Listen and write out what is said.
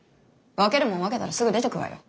分けるもん分けたらすぐ出て行くわよ！